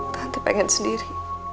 tante pengen sendiri